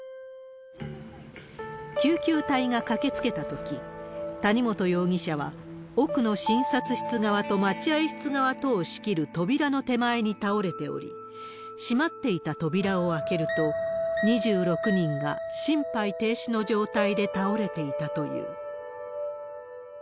救急隊が駆けつけたとき、谷本容疑者は、奥の診察室側と待合室側とを仕切る扉の手前に倒れており、閉まっていた扉を開けると、２６人が心肺停止の状態で倒れていたという。